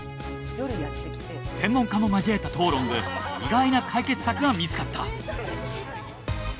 専門家もまじえた討論で意外な解決策が見つかった。